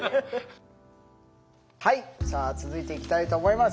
はいさあ続いていきたいと思います。